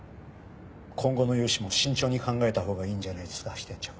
今後の融資も慎重に考えたほうがいいんじゃないですか支店長。